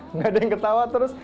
nggak ada yang ketawa terus